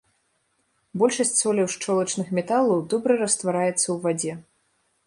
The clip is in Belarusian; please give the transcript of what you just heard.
Большасць соляў шчолачных металаў добра раствараецца ў вадзе.